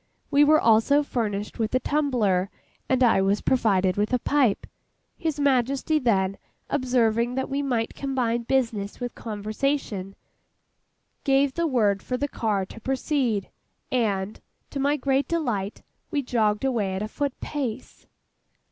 We were also furnished with a tumbler, and I was provided with a pipe. His Majesty, then observing that we might combine business with conversation, gave the word for the car to proceed; and, to my great delight, we jogged away at a foot pace.